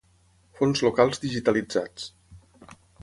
Fons locals digitalitzats.